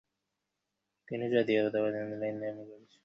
এই জগতে কেহই ঈশ্বর ব্যতীত আর কাহাকেও ঠিক ঠিক ভালবাসিতে পারে না।